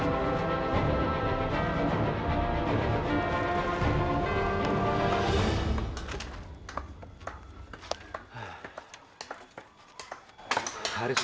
kita harus pergi dari sini